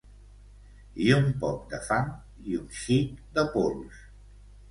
I un poc de fang i un xic de pols.